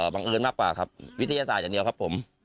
บังเอิญมากกว่าครับวิทยาศาสตร์อย่างเดียวครับผม